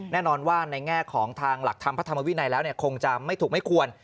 แน่นอนว่าในแง่ของทางหลักธรรมพระธรรมวินัยแล้วคงจะไม่ถูกไม่ควร